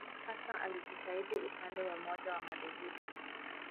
Hasa alijitahidi upande wa umoja wa madhehebu.